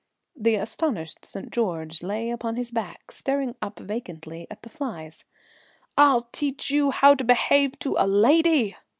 The astonished St. George lay on his back, staring up vacantly at the flies. "I'll teach you how to behave to a lady!"